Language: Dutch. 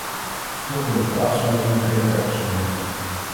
Toch wil ik ter afsluiting nog even ergens op wijzen.